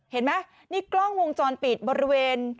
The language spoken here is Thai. เห็นไหมนี่กล้องวงจรปิดบริเวณ